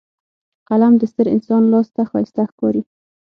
قلم د ستر انسان لاس کې ښایسته ښکاري